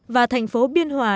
và thành phố biên hòa